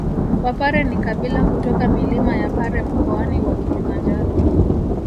Wapare ni kabila kutoka milima ya Pare Mkoani wa Kilimanjaro